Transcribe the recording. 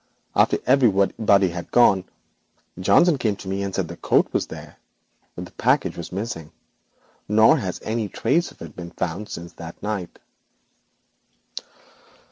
After everybody had gone Johnson came to me and said the coat was there, but the package was missing, nor has any trace of it been found since that night.'